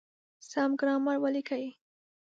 سم ګرامر وليکئ!.